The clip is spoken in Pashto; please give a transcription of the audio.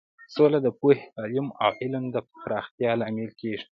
سوله د پوهې، تعلیم او علم د پراختیا لامل کیږي.